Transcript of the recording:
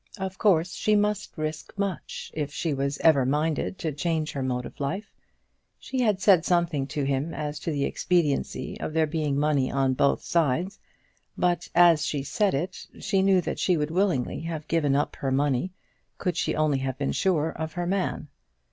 Of course she must risk much if she was ever minded to change her mode of life. She had said something to him as to the expediency of there being money on both sides, but as she said it she knew that she would willingly have given up her money could she only have been sure of her man.